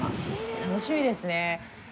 楽しみですね。